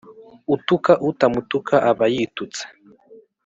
Utuka utamutuka aba yitutse.